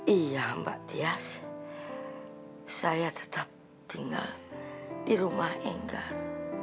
iya mbak tias saya tetap tinggal di rumah enggar